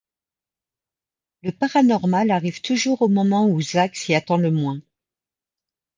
Le paranormal arrive toujours au moment où Zack s’y attend le moins.